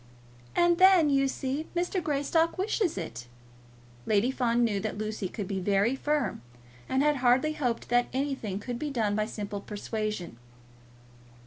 "And then, you see, Mr. Greystock wishes it." Lady Fawn knew that Lucy could be very firm, and had hardly hoped that anything could be done by simple persuasion.